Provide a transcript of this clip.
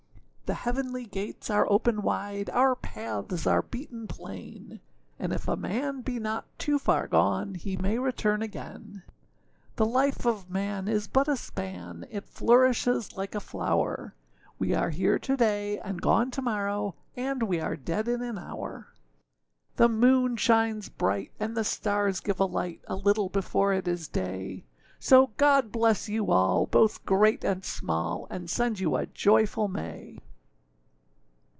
The heavenly gates are open wide, Our paths are beaten plain; And if a man be not too far gone, He may return again. The life of man is but a span, It flourishes like a flower; We are here to day, and gone to morrow, And we are dead in an hour. The moon shines bright, and the stars give a light, A little before it is day; So God bless you all, both great and small, And send you a joyful May!